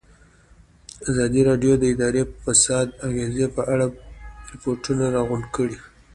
ازادي راډیو د اداري فساد د اغېزو په اړه ریپوټونه راغونډ کړي.